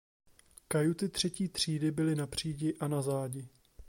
Kajuty třetí třídy byly na přídi a na zádi.